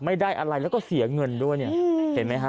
ไม่ได้อะไรแล้วก็เสียเงินด้วยเนี่ยเห็นไหมฮะ